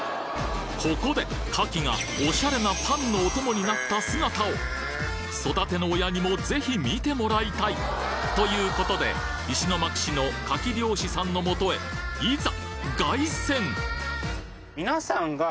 ここで牡蠣がおしゃれなパンのお供になった姿を育ての親にも是非みてもらいたい！ということで石巻市の牡蠣漁師さんのもとへいざ凱旋！